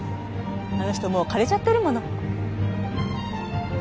あの人もう枯れちゃってるもの。